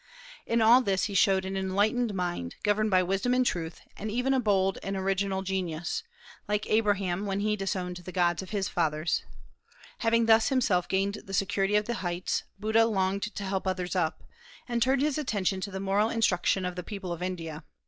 In all this he showed an enlightened mind, governed by wisdom and truth, and even a bold and original genius, like Abraham when he disowned the gods of his fathers. Having thus himself gained the security of the heights, Buddha longed to help others up, and turned his attention to the moral instruction of the people of India.